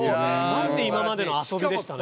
マジで今までの遊びでしたね。